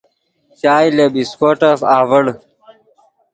چائے لے بسکوٹف آڤڑ